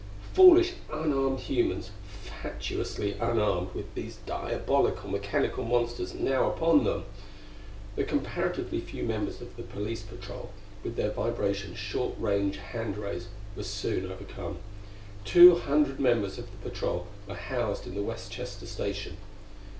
Foolish unarmed humans fatuously unarmed, with these diabolical mechanical monsters now upon them. The comparatively few members of the police patrol, with their vibration short range hand rays, were soon overcome. Two hundred members of the patrol were housed in the Westchester Station.